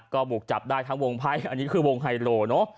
ก็บุกจับได้ทั้งวงไพ่อันนี้คือวงไฮโลเนอะ